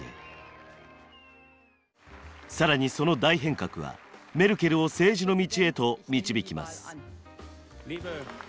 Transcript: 更にその大変革はメルケルを政治の道へと導きます。